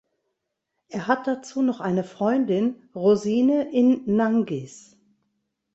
Er hat dazu noch eine Freundin Rosine in Nangis.